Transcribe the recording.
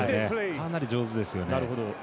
かなり上手ですよね。